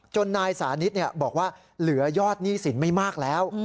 นายสานิทบอกว่าเหลือยอดหนี้สินไม่มากแล้ว